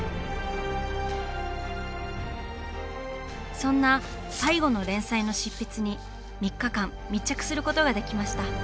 そんな「最後の連載」の執筆に３日間密着することができました。